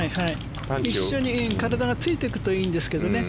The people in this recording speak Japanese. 一緒に体がついていくといいんですけどね。